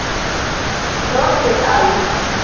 fronte al